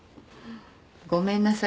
ごめんなさい